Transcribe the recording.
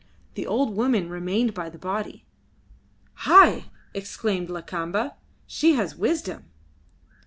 The old woman remained by the body." "Hai!" exclaimed Lakamba. "She has wisdom."